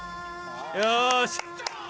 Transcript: よし！